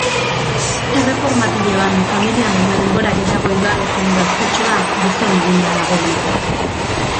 Erreformatorioan familian baino denbora gehiago igaro zuen gaztetxoa, gizon egin da dagoeneko.